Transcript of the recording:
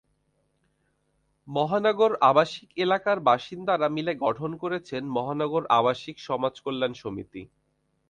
মহানগর আবাসিক এলাকার বাসিন্দারা মিলে গঠন করেছেন মহানগর আবাসিক সমাজকল্যাণ সমিতি।